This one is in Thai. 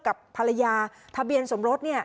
กับภรรยาทะเบียนสมฤทย์